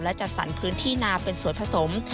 และจัดสรรพื้นที่นาเป็นส่วนผสม